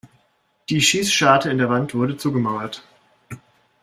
Die Schießscharte in der Wand wurde zugemauert.